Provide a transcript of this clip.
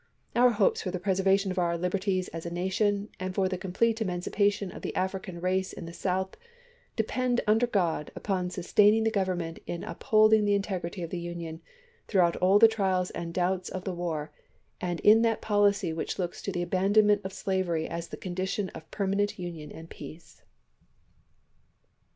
Our hopes for the preservation of our liberties as a nation, and for the complete emancipation of the African race in the South, depend, under God, upon sustaining the Government in upholding the integrity of the Union throughout all the trials and doubts of the war, and in that policy which looks to the abandonment of slavery as the condition of permanent union and peace.